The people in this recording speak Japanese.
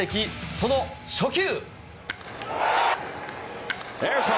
その初球。